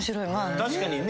確かにね